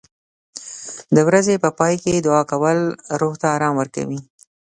د ورځې په پای کې دعا کول روح ته آرام ورکوي.